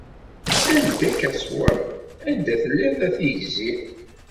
Anda-k a ṣwav, anda telliḍ a tigzi?